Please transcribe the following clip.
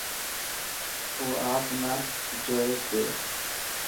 او آپ نا جوئي پيو.